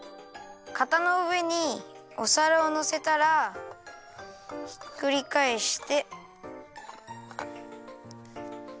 かたのうえにおさらをのせたらひっくりかえして。